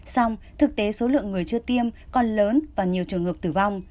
xong thực tế số lượng người chưa tiêm còn lớn và nhiều trường hợp tử vong